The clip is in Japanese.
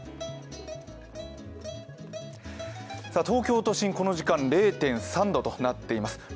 東京都心、この時間０．３度となっています。